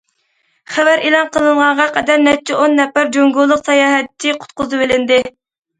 خەۋەر ئېلان قىلىنغانغا قەدەر، نەچچە ئون نەپەر جۇڭگولۇق ساياھەتچى قۇتقۇزۇۋېلىندى.